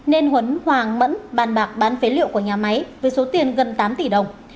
nên huấn hoàng mẫn bàn bạc bán phế liệu của nhà máy với số tiền gần tám tỷ đồng